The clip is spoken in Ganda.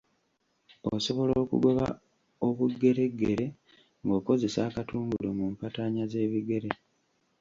Osobola okugoba obugereggere ng'okozesa akatungulu mu mpataanya z'ebigere.